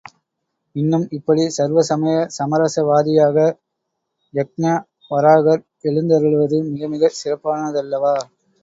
இன்றும் இப்படி சர்வ சமய சமரச வாதியாக யக்ஞ வராகர் எழுந்தருளுவது மிக மிகச் சிறப்பானதல்லவா?